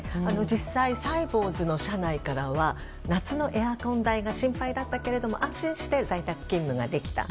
実際にサイボウズの社内からは夏のエアコン代が心配だったけども安心して在宅勤務ができた。